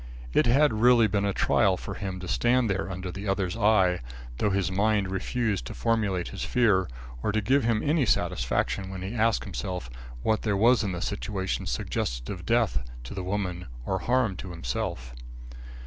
It had really been a trial for him to stand there under the other's eye, though his mind refused to formulate his fear, or to give him any satisfaction when he asked himself what there was in the situation suggestive of death to the woman or harm to himself.